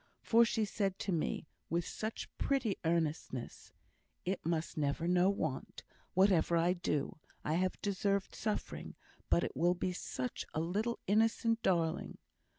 For, she said to me, with such pretty earnestness, 'It must never know want, whatever I do. I have deserved suffering, but it will be such a little innocent darling!'